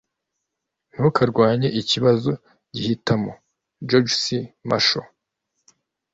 ntukarwanye ikibazo, gihitamo. - george c. marshall